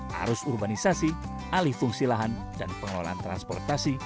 harus urbanisasi alih fungsi lahan dan pengelolaan transportasi